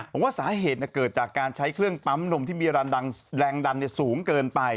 ผมว่าสาเหตุเกิดจากการใช้เครื่องปั๊มนมที่มีรันแรงดันสูงเกินไป